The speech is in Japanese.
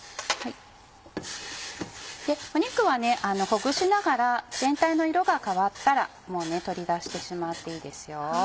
肉はねほぐしながら全体の色が変わったらもう取り出してしまっていいです。